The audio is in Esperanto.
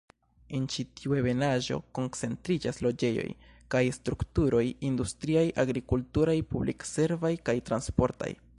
En ĉi tiu ebenaĵo koncentriĝas loĝejoj kaj strukturoj industriaj, agrikulturaj, publik-servaj kaj transportaj.